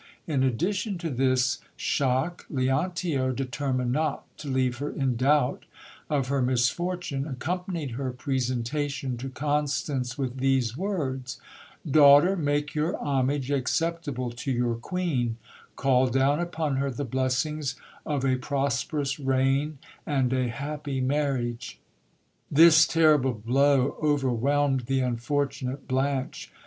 In addition to this shock, Leontio, determined not to leave her in doubt of her misfortune, accom panied her presentation to Constance with these words : Daughter, make your homage acceptable to your queen ; call down upon her the blessings of a pros perous reign and a happy marriage. This terrible blow overwhelmed the un fortunate Blanche.